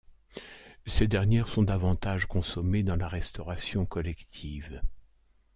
Ces dernières sont davantage consommées dans la restauration collective.